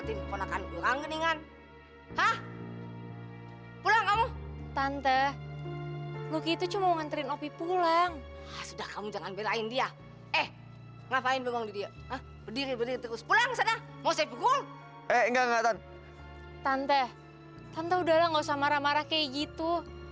tante tante udahlah gak usah marah marah kayak gitu